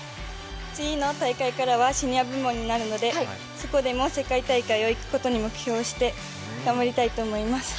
次の大会は世界大会になるので、そこでも世界大会に行くことを目標にして頑張りたいと思います。